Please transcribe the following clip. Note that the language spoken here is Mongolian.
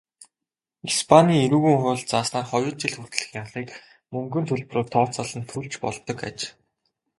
Испанийн эрүүгийн хуульд зааснаар хоёр жил хүртэлх ялыг мөнгөн төлбөрөөр тооцон төлж болдог аж.